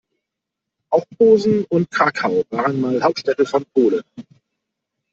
Auch Posen und Krakau waren mal Hauptstädte von Polen.